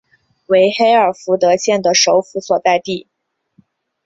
为黑尔福德县的首府所在地。